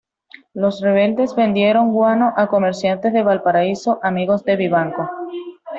Los rebeldes vendieron guano a comerciantes de Valparaíso amigos de Vivanco.